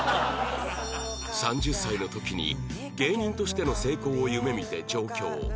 ３０歳の時に芸人としての成功を夢見て上京